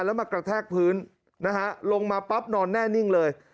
แล้วมากระแทกพื้นนะฮะลงมาปั๊บนอนแน่นิ่งเลย